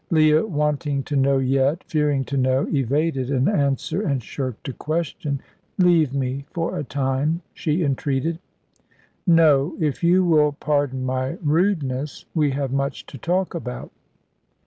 Leah wanting to know, yet, fearing to know, evaded an answer and shirked a question. "Leave me for a time," she entreated. "No if you will pardon my rudeness. We have much to talk about."